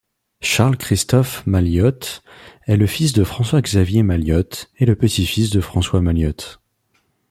Charles-Christophe Malhiot est le fils de François-Xavier Malhiot et le petit-fils de François Malhiot.